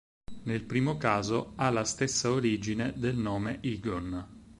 Nel primo caso, ha la stessa origine del nome Egon.